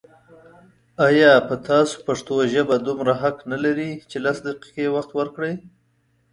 آيا په تاسو پښتو ژبه دومره حق نه لري چې لس دقيقې وخت ورکړئ